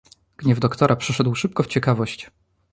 "Gniew doktora przeszedł szybko w ciekawość."